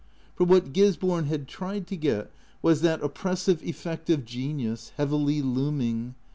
For what Gisborne had tried to get was that oppressive effect of genius, heavily looming.